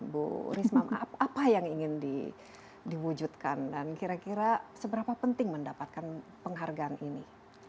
bu risma apa yang ingin diwujudkan dan kira kira seberapa penting mendapatkan penghargaan ini